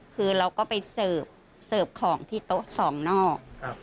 คือเราก็ไปเสิร์ฟเสิร์ฟของที่โต๊ะ๒นอก